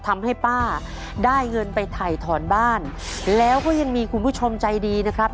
ทำให้ป้าได้เงินไปถ่ายถอนบ้านแล้วก็ยังมีคุณผู้ชมใจดีนะครับ